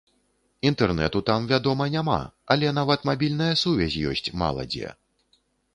Інтэрнэту там, вядома, няма, але нават мабільная сувязь ёсць мала дзе.